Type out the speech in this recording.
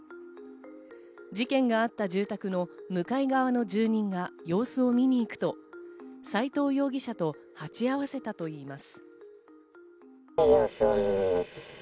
事件があった住宅の向かい側の住人が様子を見に行くと、斎藤容疑者と鉢合わせたといいます。